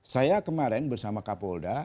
saya kemarin bersama kapolda